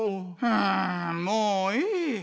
んもういい。